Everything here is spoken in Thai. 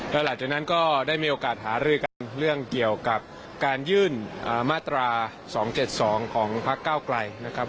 แล้วหลังจากนั้นก็ได้มีโอกาสหารือกันเรื่องเกี่ยวกับการยื่นมาตรา๒๗๒ของพักเก้าไกลนะครับ